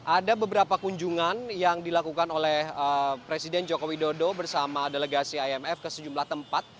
ada beberapa kunjungan yang dilakukan oleh presiden joko widodo bersama delegasi imf ke sejumlah tempat